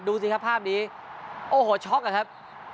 ดูสิครับภาพนี้โอ้โหช็อกอะครับ